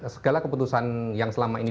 segala keputusan yang selama ini